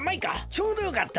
ちょうどよかった。